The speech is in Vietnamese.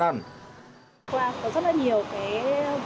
có rất là nhiều vụ khó khăn xảy ra vừa rồi